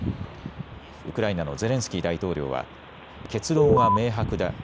ウクライナのゼレンスキー大統領は結論は明白だ。